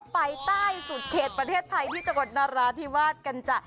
ไปใต้สุดเขตประเทศไทยที่จังหวัดนาราธิวาสกันจ้ะ